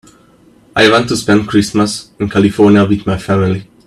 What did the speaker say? I want to spend Christmas in California with my family.